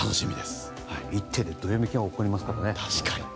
一手でどよめきが起こりますからね。